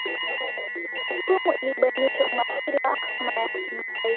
hukumu ilibainisha umahiri wa ahakama ya kimataifa